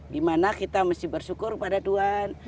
dimana kita mesti bersyukur kepada tuhan